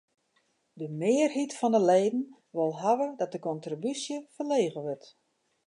De mearheid fan de leden wol hawwe dat de kontribúsje ferlege wurdt.